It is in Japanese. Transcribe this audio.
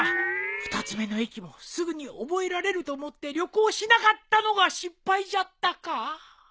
２つ目の駅もすぐに覚えられると思って旅行しなかったのが失敗じゃったか